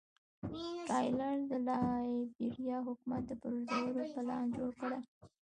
ټایلر د لایبیریا حکومت د پرځولو پلان جوړ کړی و.